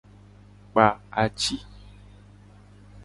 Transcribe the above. Kpa ati.